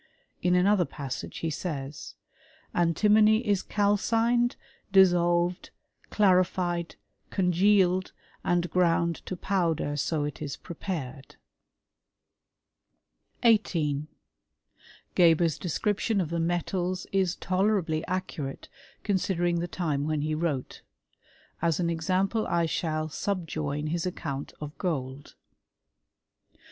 In another passage he says, ^' Antimony is calcined, dissolved, l^larified, congealed, and ground to powder, so it is prepared, "t 18, Geber's description of the metals is tolerably necurate, considering the time when he wrote. As an example I shall subjoin his account of gold.